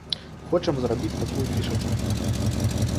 Хочам зрабіць такую фішачку.